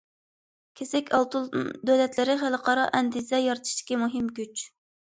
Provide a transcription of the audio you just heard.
كېسەك ئالتۇن دۆلەتلىرى خەلقئارا ئەندىزە يارىتىشتىكى مۇھىم كۈچ.